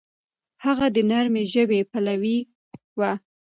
هغه د نرمې ژبې پلوی و.